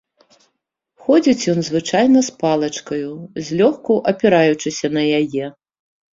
Ходзіць ён звычайна з палачкаю, злёгку апіраючыся на яе.